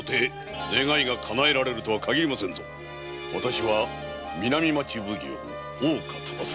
私は南町奉行大岡忠相。